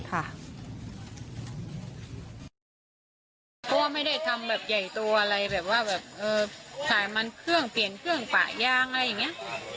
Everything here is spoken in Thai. เพราะว่าไม่ได้ทำแบบใหญ่ตัวอะไรแบบว่าแบบสายมันเครื่องเปลี่ยนเครื่องปะยางอะไรอย่างนี้